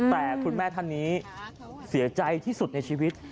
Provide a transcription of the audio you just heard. แต่คุณแม่ท่านนี้เสียใจที่สุดในชีวิต